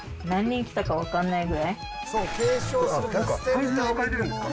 サイズで分かれてるんですか？